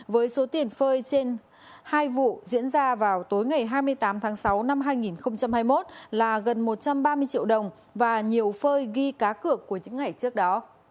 với số tiền phơi trên hai vụ diễn ra vào tối ngày hai mươi tám tháng sáu năm hai nghìn hai mươi một là gần một trăm ba mươi triệu đồng và nhiều phơi ghi cá cược của những ngày trước đó